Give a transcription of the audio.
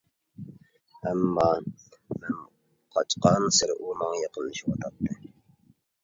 ئەمما، مەن قاچقانسېرى ئۇ ماڭا يېقىنلىشىۋاتاتتى.